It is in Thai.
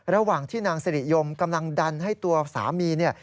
ระหว่างที่นางสิริยมกำลังดันให้ตัวสามีเนี่ย